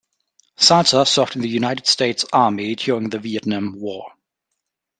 Sulzer served in the United States Army during the Vietnam War.